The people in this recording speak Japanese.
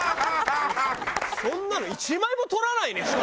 そんなの１枚も撮らないね